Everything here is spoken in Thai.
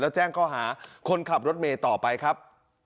แล้วแจ้งข้อหาคนขับรถเมย์ต่อไปครับ